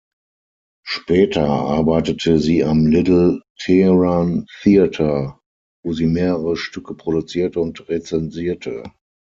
Später arbeitete sie am "Little Tehran Theatre", wo sie mehrere Stücke produzierte und rezensierte.